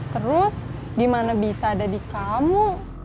terus gimana bisa ada di kamu